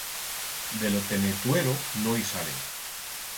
De lo Tenetuero no i sale.